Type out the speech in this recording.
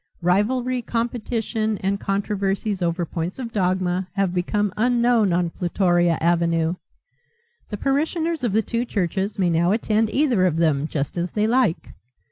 Rivalry, competition, and controversies over points of dogma have become unknown on Plutoria Avenue. The parishioners of the two churches may now attend either of them just as they like.